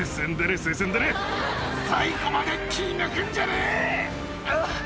最後まで気ぃ抜くんじゃねえ！